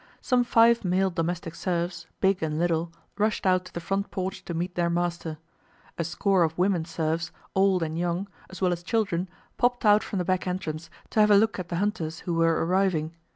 Some five male domestic serfs, big and little, rushed out to the front porch to meet their master. A score of women serfs, old and young, as well as children, popped out from the back entrance to have a look at the hunters who were arriving.